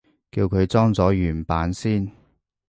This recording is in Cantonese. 叫佢裝咗原版先